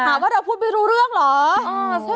แต่ว่าแต่พูดไม่รู้เรื่องเหรอ